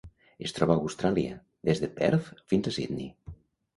Es troba a Austràlia: des de Perth fins a Sydney.